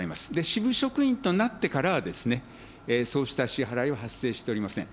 支部職員となってからは、そうした支払いは発生しておりません。